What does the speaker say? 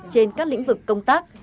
trên các lĩnh vực công tác